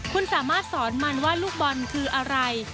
คุณสามารถสอนมันว่าลูกบอลคืออะไร